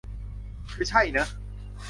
คือใช่เนอะ